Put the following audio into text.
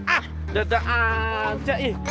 ah dadah aja ih